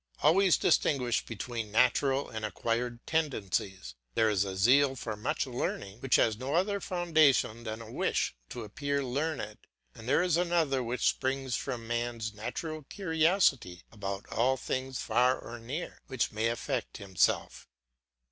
Always distinguish between natural and acquired tendencies. There is a zeal for learning which has no other foundation than a wish to appear learned, and there is another which springs from man's natural curiosity about all things far or near which may affect himself.